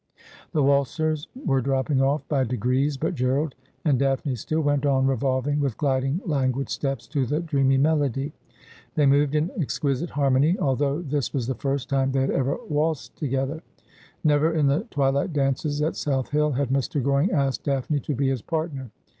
The waltzers were dropping off; by degrees ; but Gerald and Daphne still went on revolving with gliding languid steps to the dreamy melody. They moved in exquisite harmony, although this was the first time they had ever waltzed together. Never in the twilight dances at South Hill had Mr. Goring asked Daphne to be his partner.